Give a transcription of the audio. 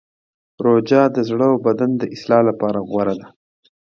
روژه د زړه او بدن د اصلاح لپاره غوره ده.